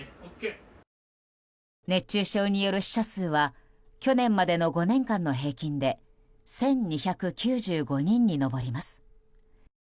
熱中症による死者数は去年までの５年間の平均で１２９５人に上ります。